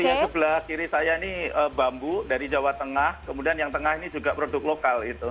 yang sebelah kiri saya ini bambu dari jawa tengah kemudian yang tengah ini juga produk lokal itu